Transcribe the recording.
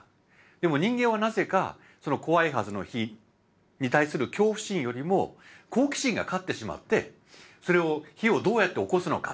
でも人間はなぜかその怖いはずの火に対する恐怖心よりも好奇心が勝ってしまってそれを火をどうやっておこすのか。